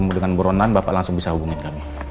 kalau kamu dengan beronan bapak langsung bisa hubungin kami